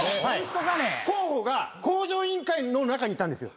候補が『向上委員会』の中にいたんですよ。